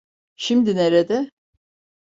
Şimdi nerede?